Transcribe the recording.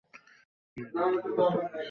দুই দিন জেরা করতে পারেন।